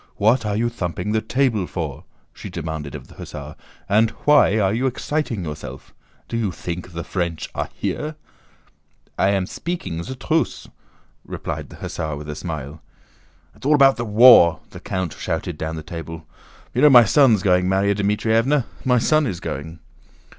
"What are you thumping the table for?" she demanded of the hussar, "and why are you exciting yourself? Do you think the French are here?" "I am speaking ze truce," replied the hussar with a smile. "It's all about the war," the count shouted down the table. "You know my son's going, Márya Dmítrievna? My son is going."